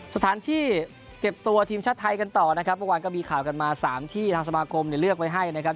สถานที่เก็บตัวทีมชาติไทยกันต่อนะครับเมื่อวานก็มีข่าวกันมาสามที่ทางสมาคมเนี่ยเลือกไว้ให้นะครับ